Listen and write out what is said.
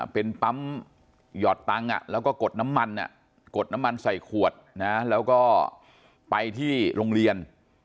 เป็นปั๊มหยอดตังค์แล้วก็กดน้ำมันกดน้ำมันใส่ขวดนะแล้วก็ไปที่โรงเรียน